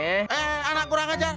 eh anak kurang aja